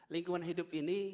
lingkungan hidup ini